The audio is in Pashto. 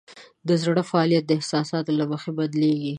د زړه فعالیت د احساساتو له مخې بدلېږي.